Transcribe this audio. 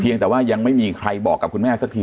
ยังแต่ว่ายังไม่มีใครบอกกับคุณแม่สักที